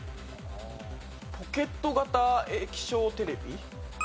ポケット型液晶テレビ？